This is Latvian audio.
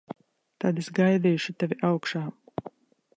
Tad es gaidīšu tevi augšā.